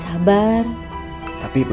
siapa aja still ya